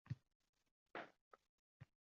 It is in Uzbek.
Shalabiya ham yuzinchi marta javob qaytardi